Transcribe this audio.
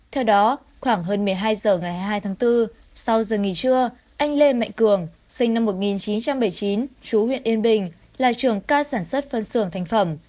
theo đó khoảng hơn một mươi hai giờ ngày hai mươi hai tháng bốn sau giờ nghỉ trưa anh lê mạnh cường sinh năm một nghìn chín trăm bảy mươi chín chú huyện yên bình là trưởng ca sản xuất phân xưởng thành phẩm